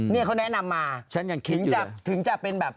เที่ยวมาถึงจะเป็นแบบ